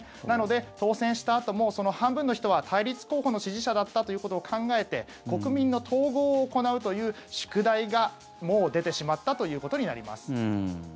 なので、当選したあともその半分の人は対立候補の支持者だったということを考えて国民の統合を行うという宿題がもう出てしまったということになります。